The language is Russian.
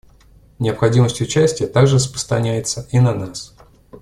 Необходимость участия также распространяется и на нас.